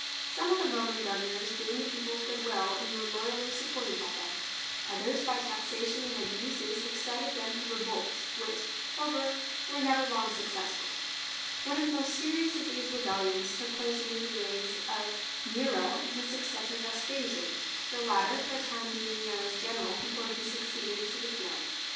Some of the Roman governors gained the people's goodwill and were loyally supported by them; others by taxation and abuses excited them to re volts, which, however, were never long successful. One of the most serious of these rebellions took place during the reigns of Nero and his successor, Vespasian, the latter for a time being Nero's gen eral before he succeeded to the throne.